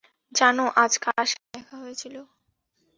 জানো, আজ কার সাথে দেখা হয়েছিল?